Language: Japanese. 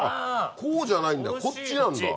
こうじゃないんだこっちなんだ。